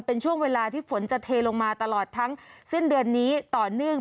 เป็นช่วงเวลาที่ฝนจะเทลงมาตลอดทั้งสิ้นเดือนนี้ต่อเนื่อง